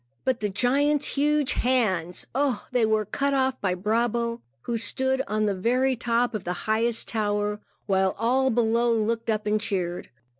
But the giant's huge hands! Ah, they were cut off by Brabo, who stood on the very top of the highest tower, while all below looked up and cheered.